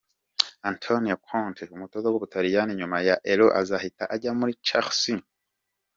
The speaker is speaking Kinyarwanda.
Antonio Conte umutoza w'Ubutaliyani nyuma ya Euro azahita ajya muri Chelsea.